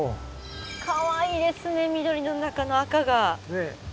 かわいいですね緑の中の赤が。